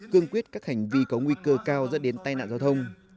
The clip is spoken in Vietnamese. cương quyết các hành vi có nguy cơ cao dẫn đến tai nạn giao thông